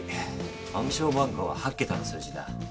暗証番号は８桁の数字だ。